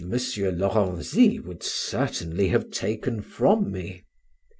Lorenzy would certainly have taken from me.